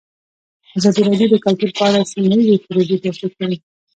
ازادي راډیو د کلتور په اړه سیمه ییزې پروژې تشریح کړې.